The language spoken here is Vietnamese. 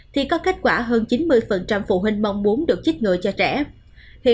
thì có kết quả hơn chín mươi phụ huynh mong muốn được chích ngừa cho trẻ